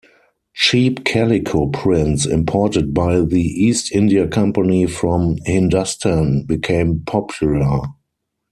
Cheap calico prints, imported by the East India Company from "Hindustan", became popular.